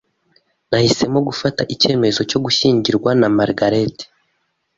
Nahisemo gufata icyemezo cyo gushyingirwa na Margaret.